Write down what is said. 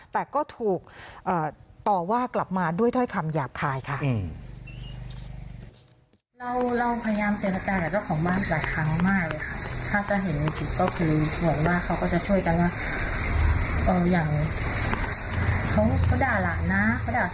แต่ก็ถูกต่อว่ากลับมาด้วยถ้อยคำหยาบคายค่ะ